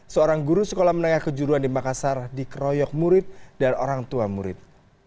seorang guru sekolah menengah kejuruan di makassar dikeroyok murid dan orang tua murid